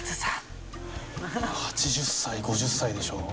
８０歳５０歳でしょ。